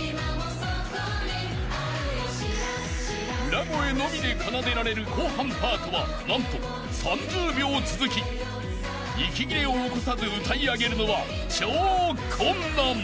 ［裏声のみで奏でられる後半パートは何と３０秒続き息切れを起こさず歌い上げるのは超困難］